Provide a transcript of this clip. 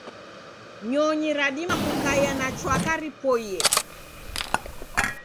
Nyonyi radima kukaia na chwaka ripoie.